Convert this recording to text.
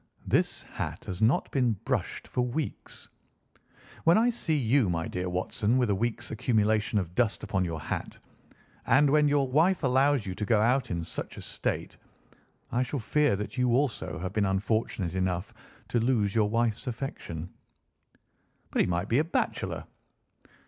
"This hat has not been brushed for weeks. When I see you, my dear Watson, with a week's accumulation of dust upon your hat, and when your wife allows you to go out in such a state, I shall fear that you also have been unfortunate enough to lose your wife's affection." "But he might be a bachelor."